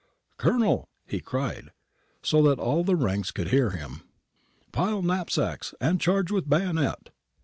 ' Colonel,' he cried, so that all the ranks could hear him, ' pile knap sacks and charge with the bayonet.'